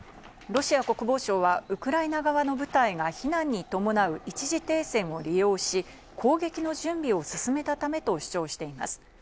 ロシア国防省はウクライナ側の部隊が避難に伴う一時停戦を利用し、攻撃の準備を進めたためと主張しています。